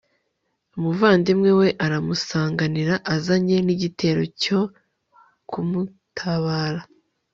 umuvandimwe we aramusanganira, azanye n'igitero cyo kumutabara